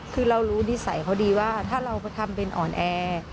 คือเรารู้นิสัยเขาดีว่าถ้าเราทำเป็นอ่อนแอ